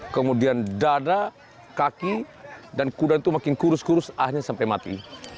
kemudian dada kaki dan kuda itu makin kurus kurus akhirnya sampai mati